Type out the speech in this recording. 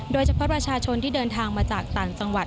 โดยเฉพาะประชาชนที่เดินทางมาจากต่างจังหวัด